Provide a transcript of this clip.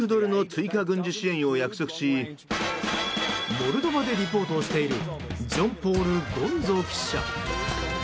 モルドバでリポートをしているジョンポール・ゴンゾ記者。